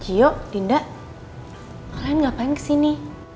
cio dinda kalian ngapain kesini